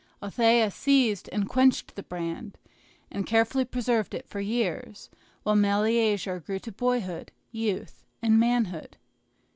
Althea seized and quenched the brand, and carefully preserved it for years, while Meleager grew to boyhood, youth, and manhood.